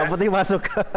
yang penting masuk